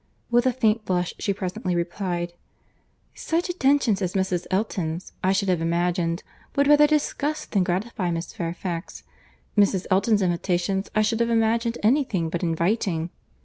With a faint blush, she presently replied, "Such attentions as Mrs. Elton's, I should have imagined, would rather disgust than gratify Miss Fairfax. Mrs. Elton's invitations I should have imagined any thing but inviting."